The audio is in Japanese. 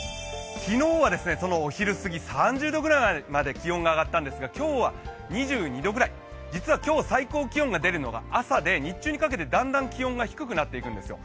昨日はそのお昼過ぎ、３０度ぐらいまで気温が上がったんですが今日は２２度ぐらい、実は今日、最高気温が出るのが朝で、日中にかけてだんだん気温が低くなっていくんですよ。